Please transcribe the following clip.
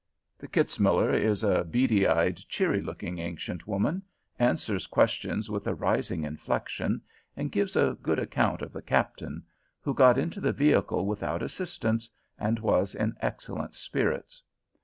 The Kitzmuller is a beady eyed, cheery looking ancient woman, answers questions with a rising inflection, and gives a good account of the Captain, who got into the vehicle without assistance, and was in excellent spirits.